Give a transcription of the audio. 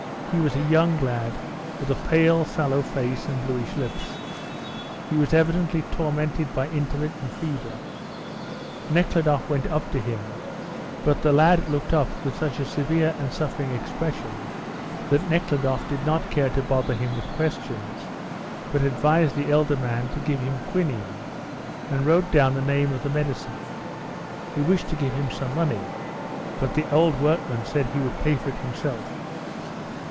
He was a young lad, with a pale, sallow face and bluish lips. He was evidently tormented by intermittent fever. Nekhludoff went up to him, but the lad looked up with such a severe and suffering expression that Nekhludoff did not care to bother him with questions, but advised the elder man to give him quinine, and wrote down the name of the medicine. He wished to give him some money, but the old workman said he would pay for it himself.